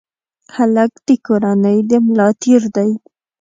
هلک د کورنۍ د ملا تیر دی.